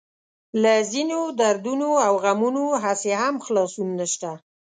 له ځينو دردونو او غمونو هسې هم خلاصون نشته.